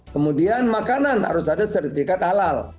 kemudian makanan harus ada sertifikat halal